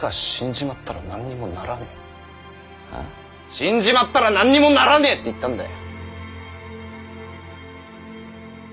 死んじまったら何にもならねぇって言ったんだい！